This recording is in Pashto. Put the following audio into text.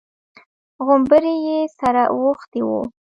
غومبري يې سره اوښتي وو.